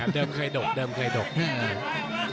เดิมเคยดก